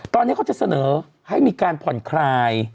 ตอนนี้เขาจะเสนอให้มีการผ่อนคลาย